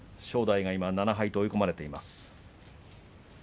正代７敗と追い込まれています。